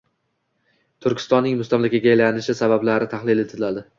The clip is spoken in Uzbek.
Turkistonning mustamlakaga aylanishi sabablari tahlil etiladi.